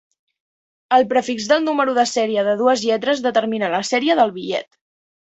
El prefix del número de serie de dues lletres determina la sèrie del bitllet.